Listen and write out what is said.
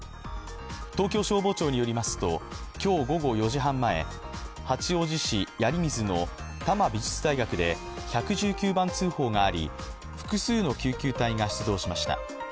東京消防庁によりますと今日午後４時半前八王子市鑓水の多摩美術大学で１１９番通報があり、複数の救急隊が出動しました。